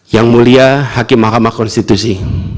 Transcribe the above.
yang mulia hakim mahkamah konstitusi